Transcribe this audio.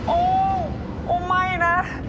โอ้โอ้ไม่นะ